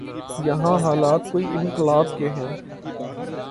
یہاں حالات کوئی انقلاب کے ہیں؟